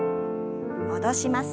戻します。